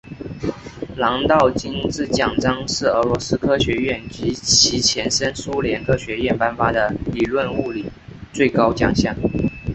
朗道金质奖章是俄罗斯科学院及其前身苏联科学院颁发的理论物理最高奖项。